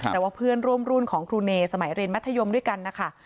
แต่ว่าเพื่อนร่วมรุ่นของครูเนยสมัยเรียนมัธยมด้วยกันนะคะ